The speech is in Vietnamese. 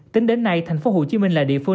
tính đến nay thành phố hồ chí minh là địa phương